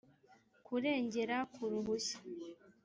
kurengera ku ruhushya